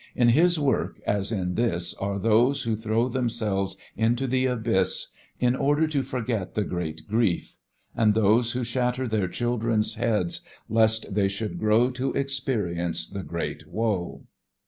In his work as in this are those who throw themselves into the abyss in order to forget the great grief, and those who shatter their children's heads lest they should grow to experience the great woe.